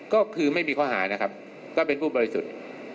ก็เป็นผู้บริสุทธิ์